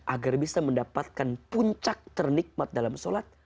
agar bisa mendapatkan puncak ternikmat dalam sholat